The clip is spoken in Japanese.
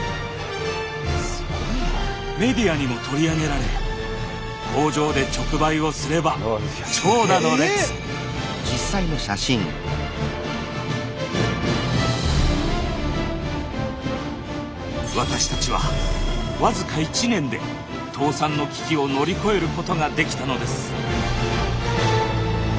メディアにも取り上げられ工場で直売をすれば私たちはわずか１年で倒産の危機を乗り越えることができたのです。